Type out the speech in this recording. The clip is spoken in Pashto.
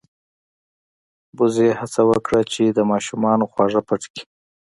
وزې هڅه وکړه چې د ماشومانو خواږه پټ کړي.